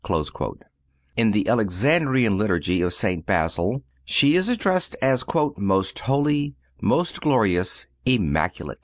(239) In the Alexandrian liturgy of St. Basil, she is addressed as "most holy, most glorious, immaculate."